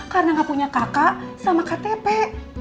karena gak punya kakak sama katepe